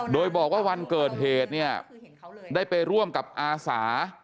โดยบอกว่าวันเกิดเหตุเนี่ยได้ไปร่วมกับอาสา